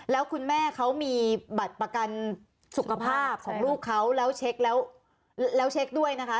แล้วคุณแม่เขามีบัตรประกันสุขภาพของลูกเขาแล้วเช็คด้วยนะคะ